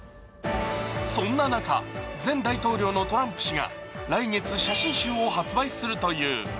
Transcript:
そんな中、前大統領のトランプ氏が来月、写真集を発売するという。